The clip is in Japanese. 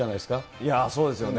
いや、そうですよね。